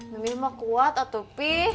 mimih mah kuat atuh pi